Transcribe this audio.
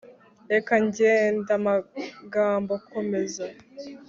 reka genda amagambo komeza